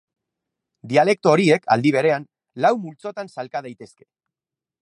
Dialekto horiek, aldi berean, lau multzotan sailka daitezke.